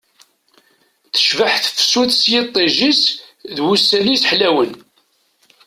Tecbeḥ tefsut s yiṭij-is d wussan-is ḥlawen